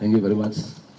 terima kasih banyak banyak